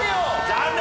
残念！